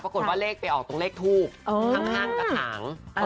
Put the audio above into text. ปรากฏว่าเลขไปออกตรงเลขทูบข้างกระถาง